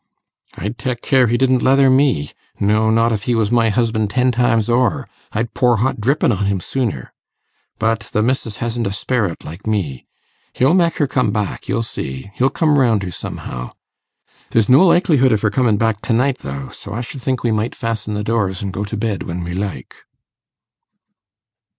'I'd tek care he didn't leather me no, not if he was my husban' ten times o'er; I'd pour hot drippin' on him sooner. But the missis hasn't a sperrit like me. He'll mek her come back, you'll see; he'll come round her somehow. There's no likelihood of her coming back to night, though; so I should think we might fasten the doors and go to bed when we like.